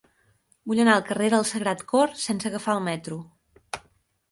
Vull anar al carrer del Sagrat Cor sense agafar el metro.